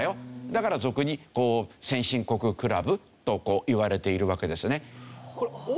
だから俗に「先進国クラブ」といわれているわけですね。